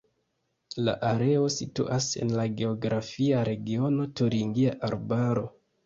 La areo situas en la geografia regiono Turingia Arbaro.